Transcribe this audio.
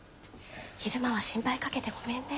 昼間は心配かけてごめんね。